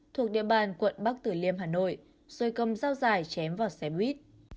thuộc địa bàn quận bắc tử liêm hà nội rồi cầm dao dài chém vào xe buýt